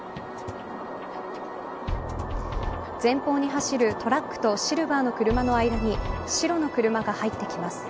前方に走るトラックとシルバーの車の間に白の車が入ってきます。